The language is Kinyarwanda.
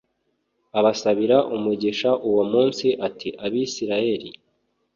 Abasabira Umugisha Uwo Munsi Ati Abisirayeli